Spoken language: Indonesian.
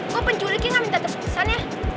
kok penculiknya gak minta tepisan ya